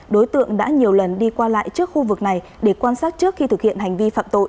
đối tượng đã nhiều lần đi qua lại trước khu vực này để quan sát trước khi thực hiện hành vi phạm tội